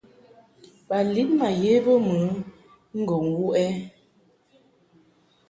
Ba lin ma ye bə mɨ ŋgɔŋ bo wuʼ ɛ ?